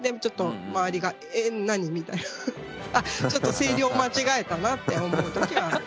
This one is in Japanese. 「あっちょっと声量間違えたな」って思う時はある。